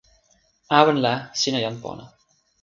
awen la sina jan pona.